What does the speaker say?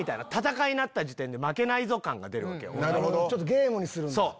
ゲームにするんだ。